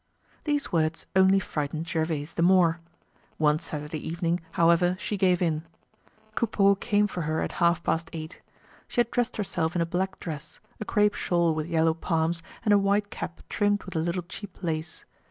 These words only frightened Gervaise the more. One Saturday evening, however, she gave in. Coupeau came for her at half past eight. She had dressed herself in a black dress, a crape shawl with yellow palms, and a white cap trimmed with a little cheap lace.